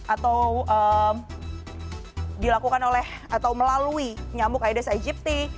atau dilakukan oleh atau melalui nyamuk aedes aegypti